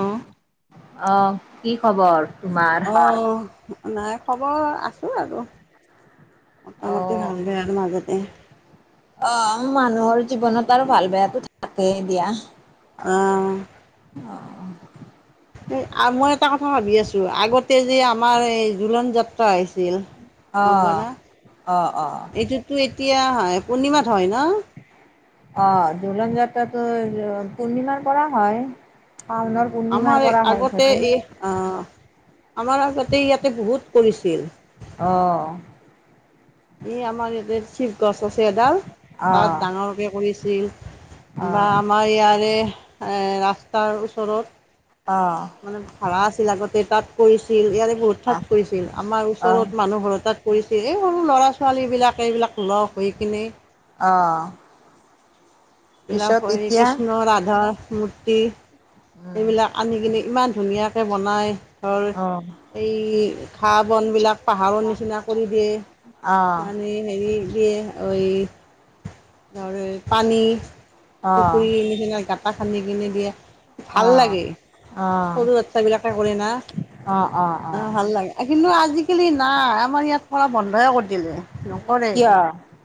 অ অ, কি খবৰ? তোমাৰ? অ, নাই খবৰ, আছো আৰু। মোটামুটি অ'। ভালেই মাজতেই। অ, মানুহৰ জীৱনত আৰু ভাল বেয়াটো থাকেই দিয়া। অ, অ, মই এটা কথা ভাবি আছো, আগতে যে আমাৰ এই জোলন যাত্ৰা হৈছিল। অ', হ'বনে, অ', অ', এইটোতো এতিয়া, পূৰ্ণিমাত হয় ন? অ, দোলন যাত্ৰাটো পূৰ্ণিমাৰ পৰা হয়। অ, শাওনৰ পূৰ্ণিমাৰ আমাৰ এই পৰা হয় আগতে চাগে, এই, অ, আমাৰ আগতে ইয়াতে বহুত কৰিছিল। অ, ই, আমাৰ [inaudible] গছ আছে এডাল, তাত অ', ডাঙৰকে কৰিছিল, বা অ'। আমাৰ ইয়াৰে আহ, ৰাস্তাৰ ওচৰত অ, মানে ভাড়া আছিল আগতে তাত কৰিছিল, ইয়াৰে বহুত আহ, ঠাইত কৰিছিল, আমাৰ অ', ওচৰত মানুহ ঘৰ তাত কৰিছে, এই সৰু ল'ৰা-ছোৱালীবিলাক এইবিলাক লগ হৈ কিনে অ, এইবিলাক পিছত হয়, এতিয়া কৃষ্ণ-ৰাধা মূৰ্তি উম, এইবিলাক আনি কিনে ইমান ধুনীয়া বনাই ধৰ, অ', এই ঘাঁহ বনবিলাক পাহাৰৰ নিচিনা কৰি দিয়ে, অ', মানে হেৰি দিয়ে ধৰ এই, পানী। অ', অ', পুখুৰীৰ নিচিনা, গাটা সানি কেনে দিয়ে। ভাল অ', লাগে, সৰু অ', বাচ্ছা বিলাকে কৰে না। অ, ভাল লাগে। কিন্তু আজিকালি নাই, আমাৰ ইয়াত ধৰা বন্ধই কৰি দিলে। নকৰে কিয়,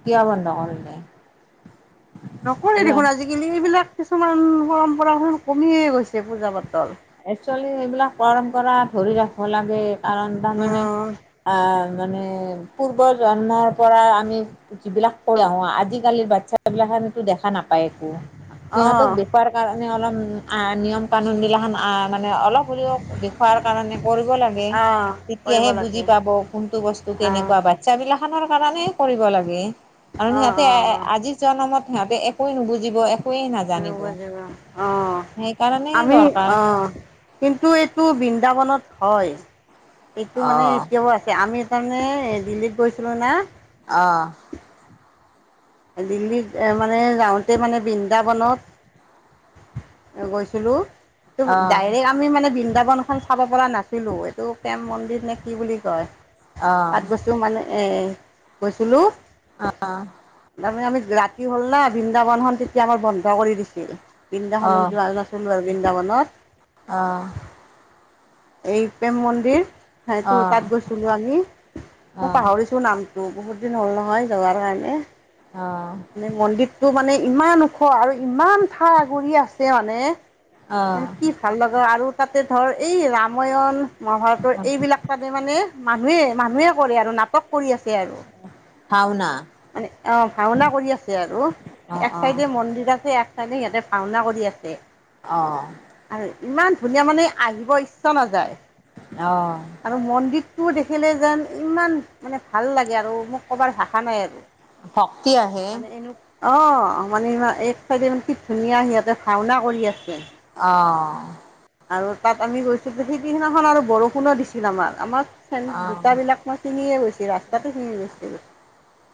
কিয় বন্ধ কৰিলে? নকৰেই কিবা দেখোন, আজিকালি এইবিলাক কিছুমান পৰম্পৰা এ, কমিয়ে গৈছে পূজা-পাতল। একচৱেলি এইবিলাক পৰম্পৰা ধৰি ৰাখিব লাগে, কাৰণ তাৰমানে উম আহ মানে, পূৰ্বজন্মৰ পৰা আমি যিবিলাক কৰা হোৱা, আজিকালিৰ বাচ্ছাবিলাক সেইটো দেখা নাপা পায় একো, সিহঁতক আহ দেখুৱাৰ কাৰণে অলপ আ, নিয়ম কানোনবিলাক আহ, মানে অলপ হ'লেও দেখুৱাৰ কাৰণে কৰিব লাগে, আহ কৰিব তেতিয়াহে বুজি লাগে পাব কোনটো বস্তু আহ কেনেকুৱা বা বাচ্ছা বিলাখনৰ কাৰণেই কৰিব লাগে, আৰু অ সিহঁতে অ এ, আজি জনমত সিহঁতে একোৱে নুবুজিব, এক [inaudible] অহ, সেইকাৰণে আমি, দৰকাৰ অহ, কিন্তু এইটো বৃন্দাবনত হয়, এইটো মানে অ এতিয়াও আছে, আমি সেইকাৰণে এ, দিল্লীত গৈছিলোঁ না। অ, দিল্লীত এ, মানে যাওঁতে মানে বৃন্দাবনত গৈছিলো, তম, ডাইৰেক্ট আ আমি মানে বৃন্দাবন খন চাব পৰা নাছিলো। এইটো কেম, মন্দিৰ নে, কি বুলি কয়। তাত গৈছো মানে, এ, গৈছিলো। অ, অ, তাৰমানে আমি ৰাতি হ'ল না বৃন্দাবনখন তেতিয়া আমাৰ বন্ধ কৰি দিছিল। বৃন্দাখননত যোৱা নাছ- সুনবা বৃন্দাবনত অ। এই প্ৰেম মন্দিৰ। সেইটো তাত গৈছিলো আমি, মই পাহৰিছ- টো নামটো বহুত দিন হ'ল নহয় যোৱাৰ কাৰণে অ। মানে মন্দিতটো মানে ইমান খোৱা আৰু ইমান ঠা আগুৰি আছে মানে মানে কিফ ভাল লগা আৰু তাতে ধৰ এই ৰামায়ণ মহাভাৰতৰ এইবিলাক তাতে মানে মানুহে মানুহে কৰে আৰু নাটক কৰি আছে আৰু মানে অ ভাওনা কৰি আছে আৰু এক অ', চাইডে মন্দিৰ আছে এক চাইডে সিহঁতে ভাওনা কৰি আছে। অ। আৰু ইমান ধুনীয়া মানে আহিব ইচ্ছাও নাযায়। অ। আৰু মন্দিৰটোও দেখিলে যেন ইমান মানে ভাল লাগে আৰু মোক ক'বাৰ ভাষা নাই আৰু। ভক্তি আহে মানে এনু- অ মানে ইমান এক চাইড ই কি ধুনীয়া সিহঁতে ভাওনা কৰি আছে। অ। আৰু তাত আমি গৈছিলো যে সেইদিনাখন আৰু বৰষুণো দিছিল আমাৰ আমাক চেন অ', দুতাবিলাক মই চিনিয়ে গৈছি ৰাস্তাতো চিনি গৈছিলো।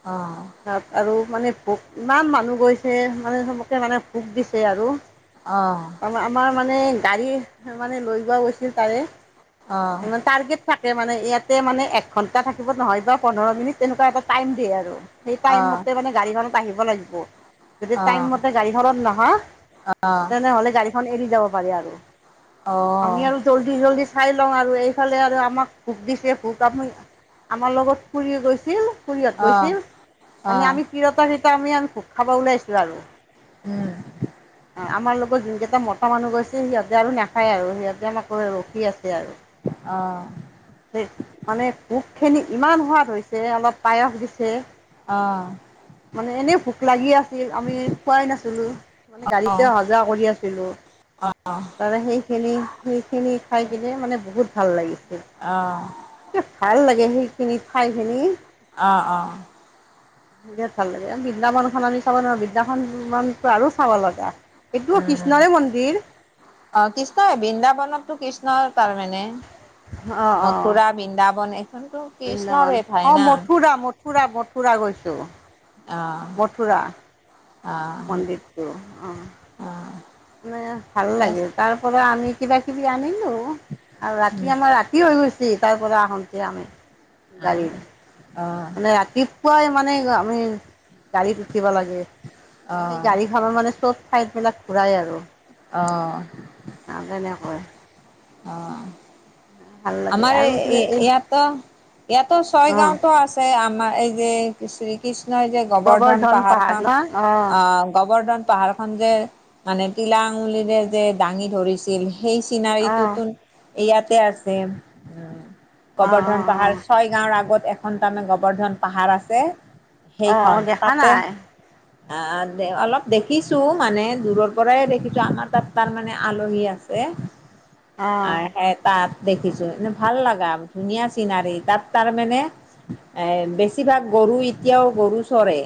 অ', অ', তাত আৰু মানে ভোক ইমান মানুহ গৈছে মানে চবকে মানে ভোক দিছে আৰু। অ। আমাৰ মানে গাড়ী মানে লৈ গোৱা গৈছিল তাৰে। অ', অ', ইমান টাৰ্গেট থাকে মানে ইয়াতে মানে এক ঘণ্টা থাকিব নহয় বা পোন্ধৰ মিনিট তেনেকুৱা এটা টাইম দিয়ে আৰু। সেই টাইম অ', মতে মানে গাড়ীখনত আহিব লাগিব যদি টাইম অ', মতে গাড়ীখনত নাহা তেনেহলে গাড়ীখন এৰি যাব পাৰি আৰু। আমি আৰু জল্দি জল্দি চাই লওঁ আৰ- ৰু এইফালে আৰু আমাক ভোক দিছে, ভোক আমি আমাৰ লগত খুড়ী গৈছিল। খুড়ীহত গৈছিল অ', অ', মানে আমি তিৰতাৰ সিতা আমি আন ভোগ খাব ওলাইছোঁ আৰু। উম। [inaudible] আমাৰ লগত জোন কেইটা মতা মানুহ গৈছে সিহঁতে আৰু নাখায় আৰু সিহঁতে আমাক ৰৈ ৰখি আছে আৰু। অ। ধে মানে ভোগখিনি ইমান সোৱাদ হৈছে, অলপ পায়স দিছে। অ', অ', অ', মানে এনেই ভোক লাগি আছিল আমি খোৱাই নাছিলোঁ। মানে গাড়ীতে অহা যোৱা কৰি আছিলো। অ', অ', উম, অ', তাৰে সেইখিনি, সেইখিনি খাই কিনে মানে বহুত ভাল লাগিছে। ভাল লাগে সেইখিনি খাইখিনি। অ অ। [inaudible] বিৰাত ভাল লাগে বৃন্দামানখন আমি চাব নোৱাৰ বৃদদাখনমানতো আৰু চাব লগা। এইটো কৃষ্ণৰে মন্দিৰ। অ কৃষ্ণ হয়, বৃন্দাবনতটো কৃষ্ণৰ তাৰমানে, অঁ অঁ মথুৰা বৃন্দাবন, এইখনতো বৃন্দাবন, কৃষ্ণৰে ঠাই অ', না। মথুৰা, মথুৰা মথুৰা গৈছোঁ। অ'। মথুৰা অ' মন্দিৰটো অ'। অ'। ভাল লাগে তাৰ পৰা আমি কিবা কিবি আনিলোঁ আৰু ৰাতি উম, আমাৰ ৰা তি হৈ গৈছে তাৰ পৰা আহোঁতে, আমি গাড়ীত অ', অ', মানে ৰাতি পুৱাই মানে আমি গাড়ীত উঠিব লাগে, মানে সেই গাড়ী খন মানে চ'ব চাইড বিলাক ঘূৰাই আৰু। অ'। আৰু তেনেকৈ অ' ভাল লাগে আমাৰ আৰু কিবা এই ইয়াতো, ইয়াতো ছয় অঁ গাঁৱতো আছে আমাৰ এই যে শ্ৰীকৃষ্ণই যে গোবৰ্ধন পাহাৰ ন পাহাৰখন, অ', গোবৰ্ধন পাহাৰ খন যে মানে তিলা আঙুলিৰে যে দাঙি ধৰিছিল সেই অ', অ', চিনাৰীটোতো ইয়াতে আছে উম', অ', অ', গোবৰ্ধন পাহাৰ। অ', ছয় গাঁৱৰ আগত এখন তাৰ মানে গোবৰ্ধন পাহাৰ আছে। অ দেখা নাই। আ দে অলপ দেখিছোঁ মানে দূৰৰ পৰাই দেখিছোঁ আমাৰ তাত তাৰমানে আলহী আছে। [inaudible] আহ সে তাত দেখিছো এনে ভাল লাগা ধুনীয়া চিনাৰী তাত তাৰ মানে এ বেছিভাগ গৰু এতিয়াও গৰু চৰে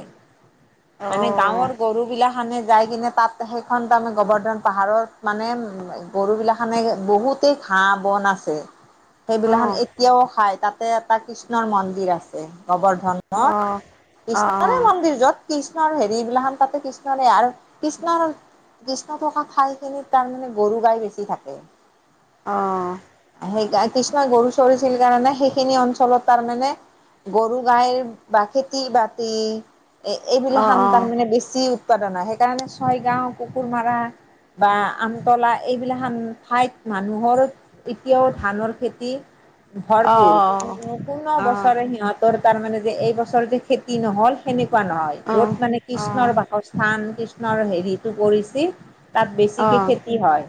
অ', মানে অ', গাঁৱৰ গৰুবিলাক সানে যাই কিনে তাত সেইখন তাৰ মানে গোবৰ্ধন পাহাৰত মানে গৰু বিলাক সানে বহুতেই ঘাঁ-বন আছ ছে অ', সেইবিলাহন অ', এতিয়াও খাই, তাতে এটা কৃষ্ণৰ মন্দিৰ আছে গোৱৰ্ধন। অ', নত অ', অ', অ', অ', অ', অ', অ', অ', অ', অ', কৃষ্ণৰে মন্দিৰ য'ত কৃষ্ণৰ হেৰি বিলাখন তাতে কৃষ্ণৰে আৰু কৃষ্ণৰ কৃষ্ণ থকা ঠাইখিনিত তাৰমানে গৰু গাই বেছি থাকে। অ' সেইকা, কৃষ্ণ‌ই গৰু চৰিছিল কাৰণে সেইখিনি অঞ্চলত তাৰ মানে গৰু গাইৰ বা খেতি বাতি এইবিলাখন অ', তাৰমানে বেছি উৎপাদন হয় সেইকাৰণে ছয় গাওঁ কুকুৰ মাৰা। বা আমতলা এইবিলাখন ঠাইত মানুহৰ এতিয়াও ধানৰ খেতি ভৰপূৰ অ', অ', অ', [unintelligible] বছৰে সিহঁত তাৰ মানে যে এই বছৰ যে খেতি নহ'ল সেনেকুৱা নহয়, য'ত মানে কৃষ্ণৰ বাস স্থান কৃষ্ণৰ হেৰিটো পৰিছে, তাত বেছিকে খেতি হয়।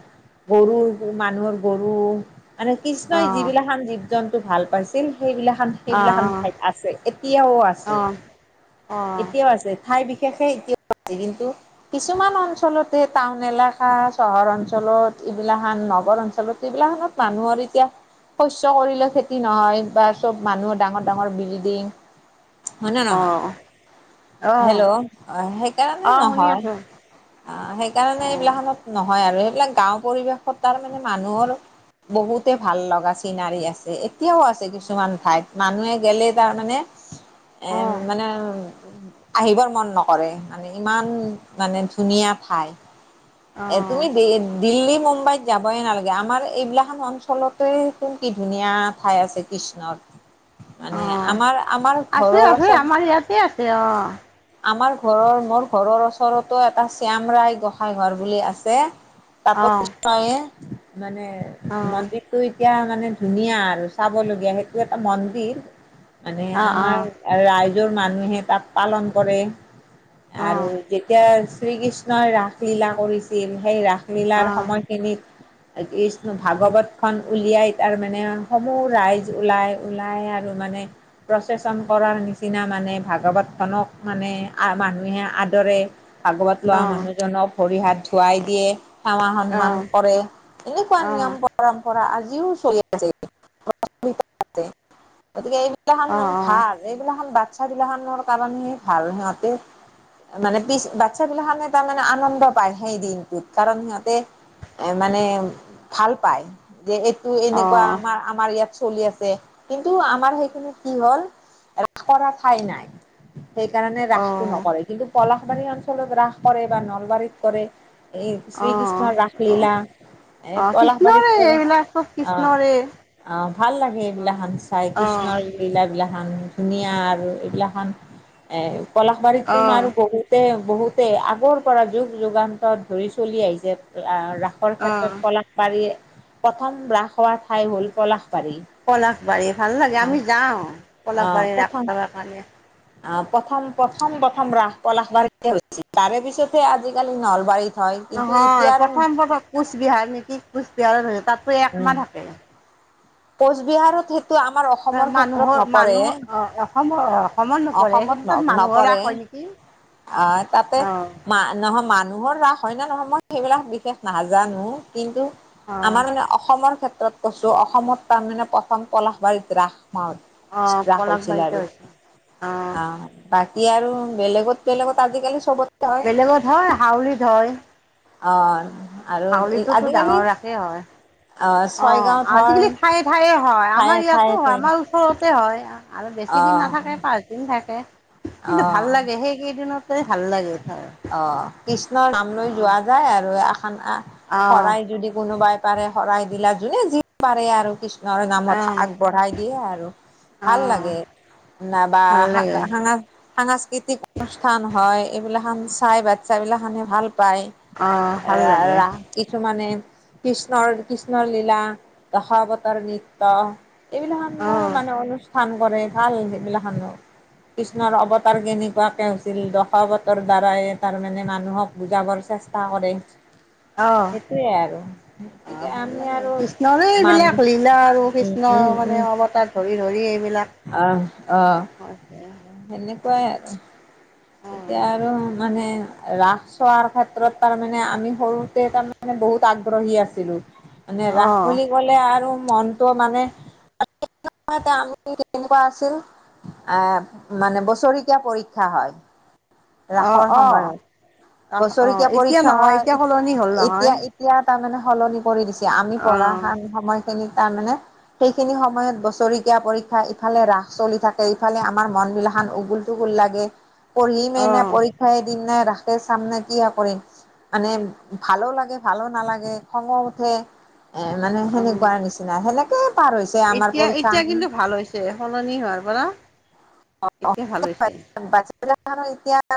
গৰুৰ, মানুহৰ গৰু মানে কৃষ্ণই যিবিলাখান জী জীৱ জন্তু ভাল পাইছিল সেইবিলাখান। সেইবিলাখন ঠাইত আছে এতিয়াও আছে এতিয়াও আছে ঠাই বিশেষে এতিয়াও আছে কিন্তু কিছুমান অঞ্চলতে টাউন এলেকা চহৰ অঞ্চলত এইবিলাখান নগৰ অঞ্চলত এইবিলা খানত মানুহৰ এতিয়া শস্য কৰিলে খেতি নহয় বা চব মানুহ ডাঙৰ ডাঙৰ বিলডিং হয়নে নহয় হেল্ল' অ সেইকাৰণে শুনি নহয়। আছোঁ সেইকাৰণে অ', এইবিলাখনত নহয় আৰু এইবিলাক গাঁও পৰিৱেশত তাৰমানে মানুহৰ- বহুতে ভাল লগা চিনাৰী আছে। এতিয়াও আছে কিছুমান ঠাইত মানুহে গেলে তাৰমানে হয় এ মানে আহিবৰ মন নকৰে মানে ইমান মানে ধুনীয়া ঠাই। এ অ', তুমি দিল্লী মুম্বাইত যাবয়ে নালাগে আমাৰ এইবিলাক আৰ অঞ্চলতে কোন কি ধুনীয়া ঠাই আছে কৃষ্ণৰ, মানে অ', আমাৰ আমাৰ আছে ঘৰৰ আছে আমাৰ ইয়াতে আছে ওচৰত অ', আমাৰ ঘৰৰ মোৰ ঘৰৰ ওচৰতো এটা শ্যামৰায় গোঁসাই ঘৰ বুলি আছে। তাপ অ', কৃষ্ণয়ে মানে অ', মন্দিৰ, টো এতিয়া মানে ধুনীয়া আৰু চাবলগীয়া সেইটো এটা মন্দিৰ মানে অ', আমাৰ- আৰু ৰাইজৰ মানুহে তাত পালন কৰে। অ', আৰু অ', যেতিয়া শ্ৰীকৃষ্ণই ৰাসলীলা কৰিছিল সেই ৰাসলীলাৰ অ', সময়। এনেকে কৃষ্ণয় ভাগৱত খন উলিয়াই তাৰ মানে সমূহ ৰাইজ ওলাই ওলাই আৰু মানে। প্ৰচেচন কৰাৰ নিচিনা মানে ভাগৱতখনক মানে মানুহে আদৰে। ভাগৱত লোৱা অ', মানুহজনক ভৰি হাত ধোৱাই দিয়ে সেৱা সন্মান অ', কৰে। এনেকুৱা অ', নিয়ম অ', পৰম্পৰা আজিও চলি আছে। গতিকে এইবিলাকখন মান অ', ভাল। এইবিলাখন বাচ্ছা বিলাখনৰ কাৰণে ভাল সিহঁতে- মানে পিছ বাচ্ছাবিলাকখে তাৰমানে আনন্দ পায় সেই দিনটোত কাৰণ সিহঁতে- এ মানে ভাল পাই যে এইটো এনেকুৱা অ', আমাৰ আমাৰ ইয়াত চলি আছে কিন্তু আমাৰ সেইখিনিত কি হ'ল ৰা কৰা ঠাই নাই। সেইকাৰণে ৰাসটো অ', নকৰে কিন্তু পলাশবাৰী অঞ্চলত ৰাস কৰে বা নলবাৰীত কৰে। এই অ অ শ্ৰীকৃষ্ণৰ, ৰাসলীলা এ- অ, কলহবাৰীত কৃষ্ণৰে কৰে এইবিলাক চব অ কৃষ্ণৰে অ ভাল লাগে এইবিলাখান অ', চাই অ', কৃষ্ণৰ এইলাবিলাখান ধুনীয়া আৰু এইবিলা খান এ কলাশবাৰীতো আৰু বহুত তে বহুতে বহুতে আগৰ পৰা যুগ যুগান্ত ধৰি চলি আহিছে ৰাখ ক্ষেত্ৰত অ', পলাশবাৰী প্ৰথম বস হোৱা ঠাই হল পলাশবাৰী, কলাশবাৰী, ভাল লাগে আহ আমি যাওঁ পলাশবাৰীৰ ৰাটৰ কাৰণে। অ প্ৰথম প্ৰথম প্ৰথম ৰাস পলাশ বাৰীছিল তাৰে পিছতহে আজিকালি নলবাৰীত- হয় কিন্তু এতিয়া নহয় আৰু প্ৰথম প্ৰথম কোচবিহাৰ, নেকি কোচবিহাৰৰ ন তাতো উম একমাহ থাকে। কোচবিহাৰত সেই মানুহৰ মানুহ অ অসমৰ অসমত নপৰে অসমত কিন্তু তাত মানুহৰ ৰাস হয় নেকি? কি? অ তাতে মা নহয় মানুহৰ ৰাস। হয়না নহয় মই সেইবিলাক বিশেষ নাজানো কিন্তু আমাৰ মানে অ অসমৰ ক্ষেত্ৰত কৈছো অসমত তাৰমানানে প্ৰথম পলাশ বাৰীত ৰাস মাউল। অ', ৰাস হৈছিল পলাশবাৰীতে আৰু হৈছে অ', আহ। বাকী আৰু বেলেগত বেলেগত আজিকালি চবত বেলেগত হয়, হাউলিত হয়। অ', আৰু আজিকালি হে হয়, অ অ', ছয়গাঁৱত হয় আজিকালি ঠায়ে-ঠায়ে হয়, ঠায়ে আমাৰ ইয়াতো ঠায়ে হয়। ঠায়ে আমাৰ ও ওচৰতে হয়, আৰু বেছি অ দিন নাথাকে পাঁচদিন থাকে। কিন্তু ভাল অ লাগে সেই এই কেইদিনতই ভাল লাগে খাই। অ', কৃষ্ণৰ নাম লৈ যোৱা যায় আৰু এখন অ' শৰাই যদি কোনোবাই - পাৰে শৰাই দিলা, যোনে যি পাৰে আৰু কিছুমান- - ন নামত আগবঢ়াই দিয়ে আৰু, অ' ভাল অ' লাগে। নবা ভাল লাগে সাঁ সাংস্কৃতিক - অনুষ্ঠান হয়, এইবিলাক খন চাই বাচ্ছা এইবিলাকখনে ভাল পায়। অ' ভাল ৰা লাগে ৰা কিছুমানে কৃষ্ণৰ কৃষ্ণলীলা দশাৱতৰ নৃত্য - এইবিলাক খনৰ অ' মানে অনুষ্ঠান - কৰে ভাল সেইবিলাক খনো, কৃষ্ণৰ অৱতাৰ কেনেকুৱাকে - ছিল দখৱতৰ দ্বাৰাই তাৰমানে মানুহক বুজাবৰ চেষ্টা কৰে। অহ, সেইটোৱে আৰু অহ গতিকে ভাল আমি লাগে আৰু কৃষ্ণৰে মান এইবিলাক লীলা আৰু। উম উম কৃষ্ণৰ মানে উম অৱতাৰ ধৰি ধৰি এইবিলাক - আহ আহ, সেনেকুৱাই আৰু। এতিয়া আৰু মানে, ৰাস চোৱাৰ ক্ষেত্ৰত তাৰমানে, আমি সৰুতে তাৰমানে বহুত - আগ্ৰহী আছিলো। মানে, ৰাস অ' বুলি ক'লে আৰু মনটো মানে - [unintelligible] আহ, মানে বছৰিকীয়া পৰীক্ষা হয়। অ' ৰাসৰ অ' অ'। সময়ত, আহ অ বছৰেকীয়া এতিয়া পৰীক্ষা নহয় হয়। এতিয়া এত সলনি হ'ল এত নহয় এতিয়া - এতিয়া তাৰ মানে সলনি কৰি দিছে। আমি অ পঢ়া সময়খিনিত তাৰ মানে, - সেইখিনি সময়ত বছৰেকীয়া পৰীক্ষা, ইফালে ৰাস চলি থাকে, ইফালে আমাৰ মন বিলাসন উগুল - ঠুগুল লাগে। পঢ়িমে অ নে, পৰীক্ষাই এ দিম নে, ৰাখে চাম নে, কি এ কৰিম। মানে ভালো লাগে, ভালো নালাগে, খংও উঠে। এ মানে অ সেনেকুৱা নিচিনা, সেনেকে পাৰ হৈছে আমাৰ পৰীক্ষা। যে, সলনি হোৱাৰ পৰা। এতিয়া ভাল হৈছে [unintelligible]